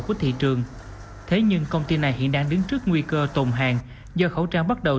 của thị trường thế nhưng công ty này hiện đang đứng trước nguy cơ tồn hàng do khẩu trang bắt đầu